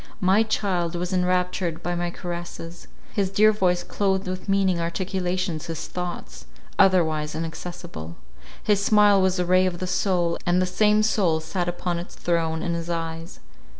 My child was enraptured by my caresses; his dear voice cloathed with meaning articulations his thoughts, otherwise inaccessible; his smile was a ray of the soul, and the same soul sat upon its throne in his eyes.